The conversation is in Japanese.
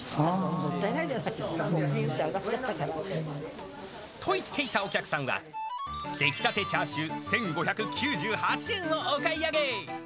もったいないじゃあないですか、と言っていたお客さんは、出来たてチャーシュー１５９８円をお買い上げ。